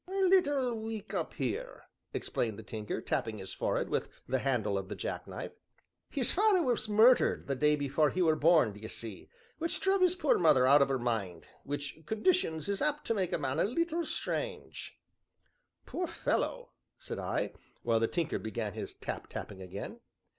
"A leetle weak up here," explained the Tinker, tapping his forehead with the handle of the jack knife. "His father was murdered the day afore he were born, d'ye see, which druv his poor mother out of her mind, which conditions is apt to make a man a leetle strange." "Poor fellow!" said I, while the Tinker began his tap tapping again.